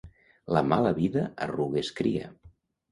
La mala vida arrugues cria.